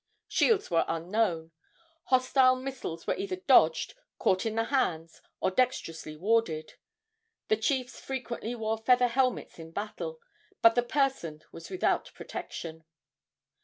Shields were unknown. Hostile missiles were either dodged, caught in the hands, or dexterously warded. The chiefs frequently wore feather helmets in battle, but the person was without protection.